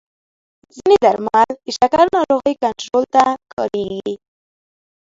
ځینې درمل د شکر ناروغۍ کنټرول ته کارېږي.